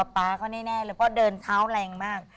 ป๊าเขาแน่เลยเพราะเดินเท้าแรงมาก